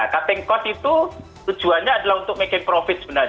cutting cost itu tujuannya adalah untuk making profit sebenarnya